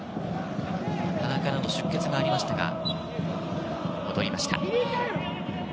鼻からの出血がありましたが、戻りました。